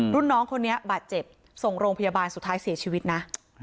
รุ่นน้องคนนี้บาดเจ็บส่งโรงพยาบาลสุดท้ายเสียชีวิตนะ